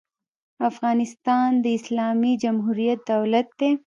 افغانستان د اسلامي جمهوري دولت دی.